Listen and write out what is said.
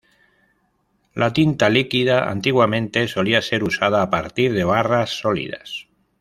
La tinta líquida antiguamente solía ser usada a partir de barras sólidas.